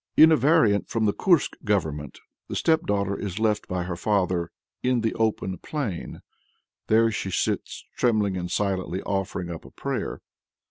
In a variant from the Kursk Government (Afanasief IV. No. 42. b), the stepdaughter is left by her father "in the open plain." There she sits, "trembling and silently offering up a prayer."